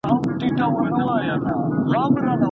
که ښوونکی د ماشوم خبره پرې کړي نو ماشوم خفه کیږي.